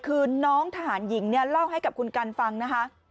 คือน้องทหารหญิงเนี่ยเล่าให้กับคุณกันฟังนะคะ